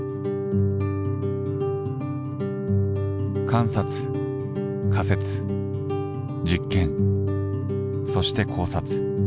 観察仮説実験そして考察。